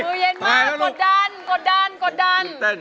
มือเย็นมากกดดัน